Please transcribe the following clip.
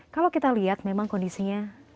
kalau kita lihat memang kondisinya